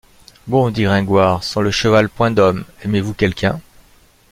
Bon, dit Gringoire, sans le cheval point d’homme. — Aimez-vous quelqu’un?